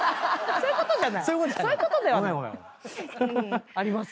そういうことじゃない。あります？